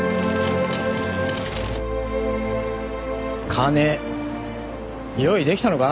金用意できたのか？